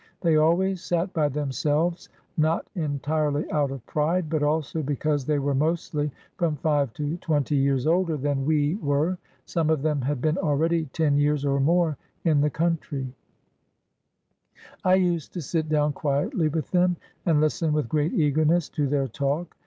They always sat by them selves, not entirely out of pride, but also because they were mostly from five to twenty years older than we were. Some of them had been already ten years or more in the country. I used to sit down quietly with them and listen with great eagerness to their talk.